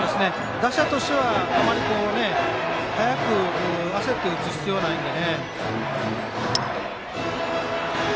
打者としてはあまり早く焦って打つ必要はないので。